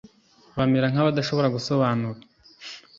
Bamera nka badashobora gusobanura